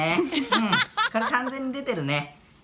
うんこれ完全に出てるねうん。